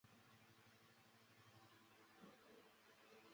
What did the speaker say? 她还曾帮助澳大利亚三次夺得联合会杯冠军。